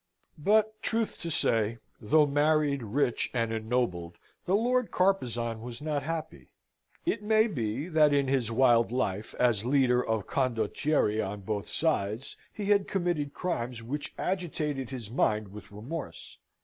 But, truth to say, though married, rich, and ennobled, the Lord Carpezan was not happy. It may be that in his wild life, as leader of condottieri on both sides, he had committed crimes which agitated his mind with remorse.